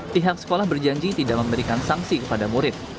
pihak sekolah berjanji tidak memberikan sanksi kepada murid